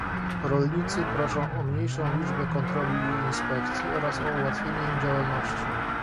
Rolnicy proszą o mniejszą liczbę kontroli i inspekcji oraz o ułatwienie im działalności